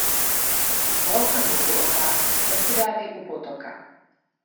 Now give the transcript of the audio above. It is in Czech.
Holka modrooká nesedávej u potoka.